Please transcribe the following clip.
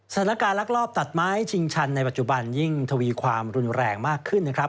ลักลอบตัดไม้ชิงชันในปัจจุบันยิ่งทวีความรุนแรงมากขึ้นนะครับ